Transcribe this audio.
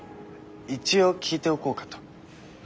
一応聞いておこうかと。